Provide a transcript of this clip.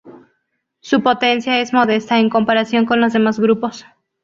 Su potencia es modesta en comparación con los demás grupos.